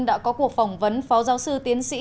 đã có cuộc phỏng vấn phó giáo sư tiến sĩ